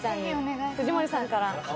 藤森さんから。